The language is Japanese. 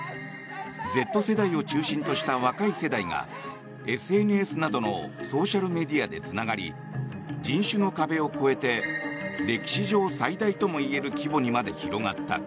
Ｚ世代を中心とした若い世代がＳＮＳなどのソーシャルメディアでつながり人種の壁を越えて歴史上最大ともいえる規模にまで広がった。